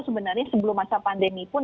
sebenarnya sebelum masa pandemi pun